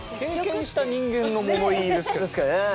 確かにねえ。